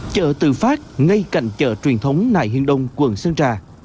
chợ tự phát ngay cạnh chợ truyền thống nài hiên đông quận sơn trà